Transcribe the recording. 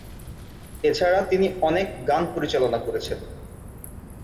এছাড়া তিনি অনেক গান পরিচালনা করেছেন।